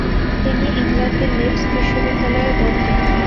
তিনি ইংল্যান্ডের লীডস বিশ্ববিদ্যালয়ে ভর্তি হন।